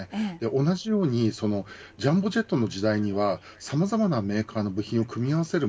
同じようにジャンボジェットの時代にはさまざまなメーカーの部品を組み合わせる